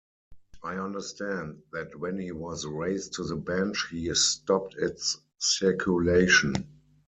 I understand that when he was raised to the Bench he stopped its circulation.